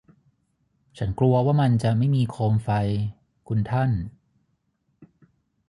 ฉันกลัวว่ามันจะไม่มีโคมไฟ คุณท่าน